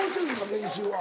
練習は。